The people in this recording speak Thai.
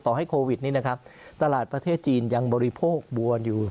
ให้โควิดนี้นะครับตลาดประเทศจีนยังบริโภคบวนอยู่